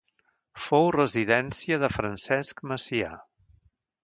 Fou residència de Francesc Macià.